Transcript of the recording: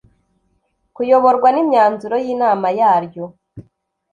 kuyoborwa nimyanzuro y inama yaryo